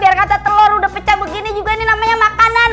biar kata telur udah pecah begini juga nih namanya makanan